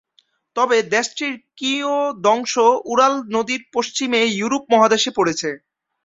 তবে দেশটির কিয়দংশ উরাল নদীর পশ্চিমে ইউরোপ মহাদেশে পড়েছে।